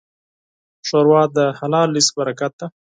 ښوروا د حلال رزق برکت ده.